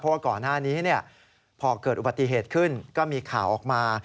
เพราะว่าก่อนหน้านี้พอเกิดอุบัติเหตุขึ้นก็มีข่าวออกมา